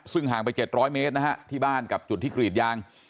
ซึ่งห่างไป๗๐๐เมตรนะฮะที่บ้านกับจุดที่กรีดยาง